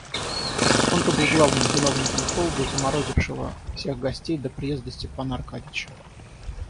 Он-то был главным виновником холода, заморозившего всех гостей до приезда Степана Аркадьича.